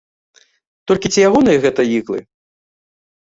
Толькі ці ягоныя гэтыя іклы?